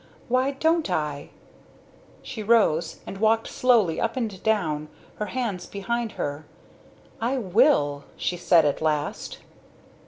Why don't I ?" she rose and walked slowly up and down, her hands behind her. "I will!" she said at last.